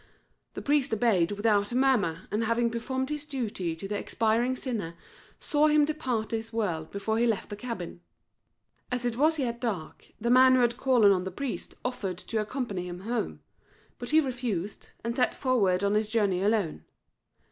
The priest obeyed without a murmur, and having performed his duty to the expiring sinner, saw him depart this world before he left the cabin. As it was yet dark, the man who had called on the priest offered to accompany him home, but he refused, and set forward on his journey alone.